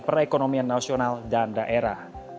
perekonomian nasional dan daerah